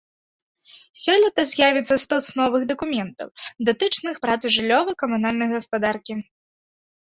Сёлета з'явіцца стос новых дакументаў, датычных працы жыллёва-камунальнай гаспадаркі.